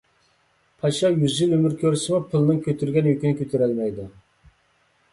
پاشا يۈز يىل ئۆمۈر كۆرسىمۇ، پىلنىڭ كۆتۈرگەن يۈكىنى كۆتۈرەلمەيدۇ.